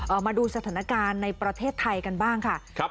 มาดูสถานการณ์ในประเทศไทยกันบ้างค่ะ